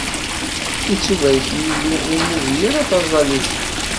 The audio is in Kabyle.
Ittubarek Yillu, ur nugi ara taẓallit-iw.